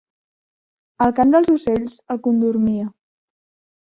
El cant dels ocells el condormia.